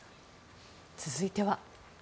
続いては。